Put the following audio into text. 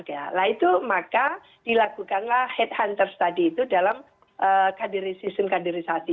nah itu maka dilakukanlah headhunters tadi itu dalam kaderisasi